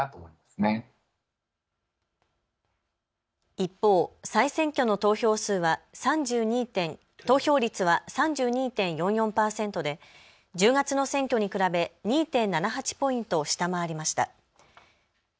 一方、再選挙の投票率は３２．４４％で１０月の選挙に比べ２．７８ポイント下回りました。